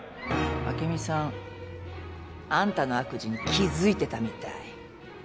朱美さんあんたの悪事に気付いてたみたい。